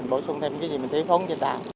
bổ sung thêm những cái gì mình thiếu không